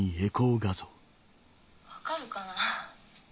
分かるかな？